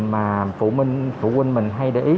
mà phụ minh phụ huynh mình hay để ý